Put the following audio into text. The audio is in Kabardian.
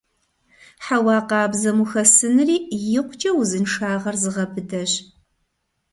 Хьэуа къабзэм ухэсынри икъукӀэ узыншагъэр зыгъэбыдэщ.